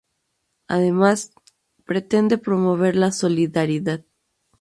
Además, pretende promover la solidaridad.